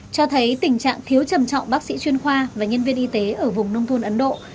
cho thấy tình trạng thiếu trầm trọng bác sĩ chuyên khoa và nhân viên y tế ở vùng nông thôn ấn độ